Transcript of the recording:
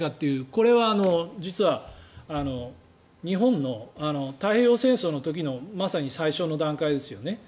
これは実は日本の太平洋戦争の時のまさに最初の段階ですよね。